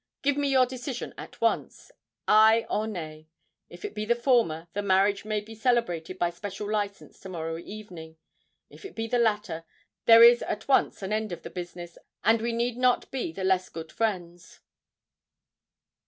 Give me your decision at once—aye or nay. If it be the former, the marriage may be celebrated by special license to morrow evening; if it be the latter, there is at once an end of the business, and we need not be the less good friends."